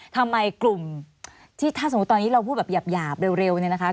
ทำไมกลุ่มที่ถ้าสมมุติตอนนี้เราพูดแบบหยาบเร็วเนี่ยนะคะ